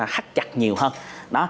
khắc chặt nhiều hơn